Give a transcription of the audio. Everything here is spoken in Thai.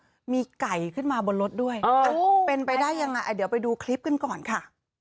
โออุ๊ยมีไก่ขึ้นมาบนรถด้วยอ่ะอ่าเป็นไปได้ยังไงอ่ะเดี๋ยวไปดูคลิปกันก่อนค่ะ